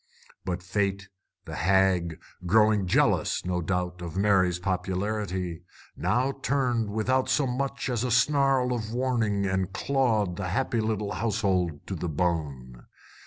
But Fate, the hag, growing jealous, no doubt, of Mary's popularity, now turned without so much as a snarl of warning and clawed the happy little household to the bone.